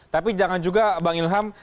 tapi jangan juga bang ilham